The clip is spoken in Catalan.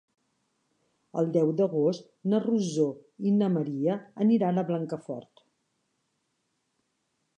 El deu d'agost na Rosó i na Maria aniran a Blancafort.